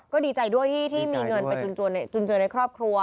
ก็ดีใจด้วยที่มีเงินไปจุนเจอในครอบครัว